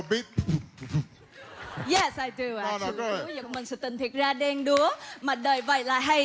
ยังมันสุดต้นที่กระเด็งดัวมาโดยเวลาให้